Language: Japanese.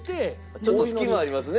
ちょっと隙間ありますね。